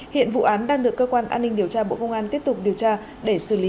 hiện vụ án đang được cơ quan an ninh điều tra bộ công an tiếp tục điều tra để xử lý